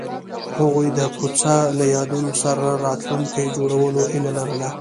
هغوی د کوڅه له یادونو سره راتلونکی جوړولو هیله لرله.